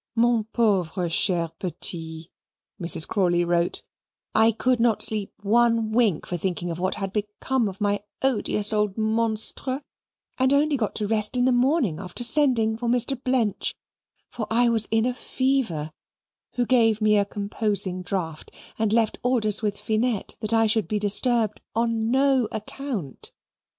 MON PAUVRE CHER PETIT, (Mrs. Crawley wrote) I could not sleep ONE WINK for thinking of what had become of my odious old monstre, and only got to rest in the morning after sending for Mr. Blench (for I was in a fever), who gave me a composing draught and left orders with Finette that I should be disturbed ON NO ACCOUNT.